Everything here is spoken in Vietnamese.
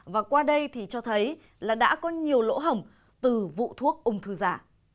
và qua đây thì cho thấy là đã có nhiều lỗ hồng từ vụ thuốc ung thư giả